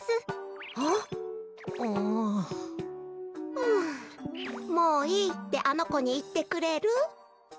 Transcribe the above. ふうもういいってあのこにいってくれる？